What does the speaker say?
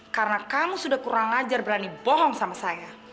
karena kamu sudah kurang ajar berani bohong sama saya